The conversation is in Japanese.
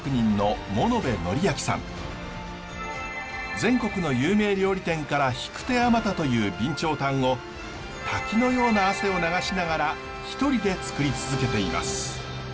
全国の有名料理店から引く手あまたという備長炭を滝のような汗を流しながら一人でつくり続けています。